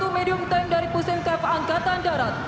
satu medium tank dari busenif angkatan darat